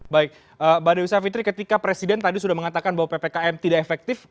baik mbak dewi savitri ketika presiden tadi sudah mengatakan bahwa ppkm tidak efektif